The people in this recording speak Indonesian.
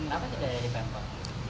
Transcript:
kenapa tidak dari pemkot